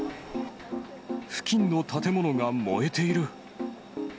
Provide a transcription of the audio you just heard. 付近の建物が燃えている。